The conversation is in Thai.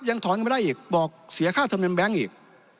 ยังถอนไปได้อีกบอกเสียค่าเทรดแบงค์อีก